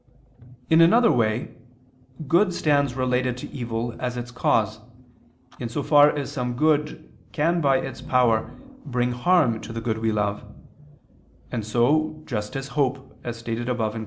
In another way, good stands related to evil as its cause: in so far as some good can by its power bring harm to the good we love: and so, just as hope, as stated above (Q.